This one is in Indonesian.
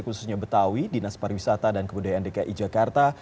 khususnya betawi dinas pariwisata dan kebudayaan dki jakarta